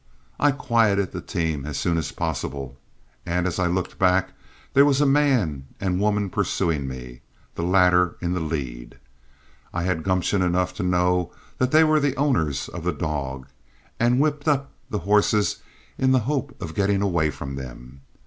I quieted the team as soon as possible, and as I looked back, there was a man and woman pursuing me, the latter in the lead. I had gumption enough to know that they were the owners of the dog, and whipped up the horses in the hope of getting away from them.